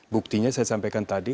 buktinya saya sampaikan tadi